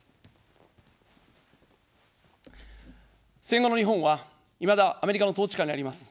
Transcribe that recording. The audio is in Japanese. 戦後の日本は、いまだアメリカの統治下にあります。